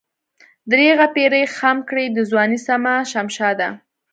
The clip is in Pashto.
درېغه پيرۍ خم کړې دَځوانۍ سمه شمشاده